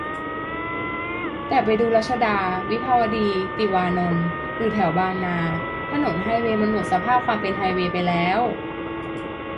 แต่ไปดูรัชดา วิภาวดี ติวานนท์ หรือแถวบางนา ถนนไฮเวย์มันหมดสภาพความเป็นไฮเวย์ไปแล้ว